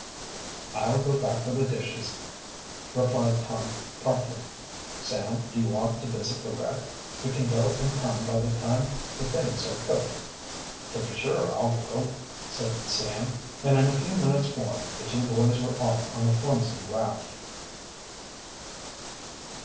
"I'll go back for the dishes," replied Tom promptly. "Sam, do you want to visit the wreck? We can go and come by the time the things are cooked." "To be sure I'll go," said Sam; and in a few minutes more the two boys were off on the clumsy raft.